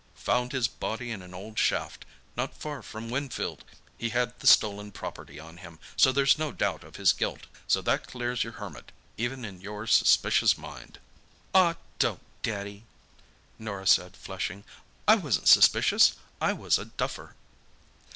"Found his body in an old shaft—not far from Winfield. He had the stolen property on him, so there's no doubt of his guilt. So that clears your Hermit, even in your suspicious mind!" "Ah, don't, Daddy," Norah said, flushing. "I wasn't suspicious. I was a duffer."